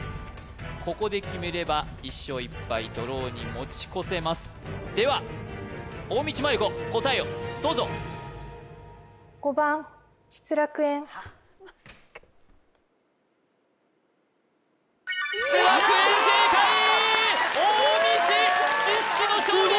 ここで決めれば１勝１敗ドローに持ち越せますでは大道麻優子答えをどうぞ失楽園正解大道知識の勝利！